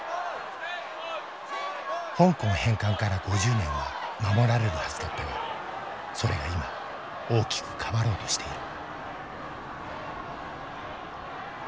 香港返還から５０年は守られるはずだったがそれが今大きく変わろうとしている。